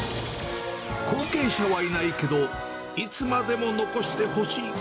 後継者はいないけど、いつまでも残してほしい。